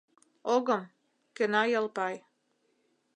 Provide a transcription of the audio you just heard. — Огым, — кӧна Ялпай.